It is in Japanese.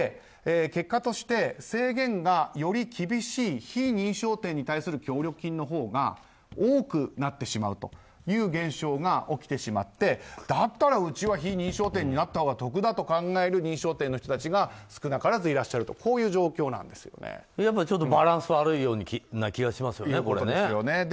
結果として、制限がより厳しい非認証店に対する協力金のほうが多くなってしまうという現象が起きてしまってだったら、うちは非認証店になったほうが得だと考える認証店の人たちが少なからずいらっしゃるというバランス悪いような気がしますね。